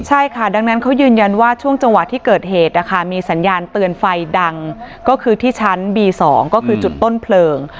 ใช่ค่ะดังนั้นเขายืนยันว่าช่วงจังหวะที่เกิดเหตุนะคะมีสัญญาณเตือนไฟดังก็คือที่ชั้นบี๒ก็คือจุดต้นเพลิง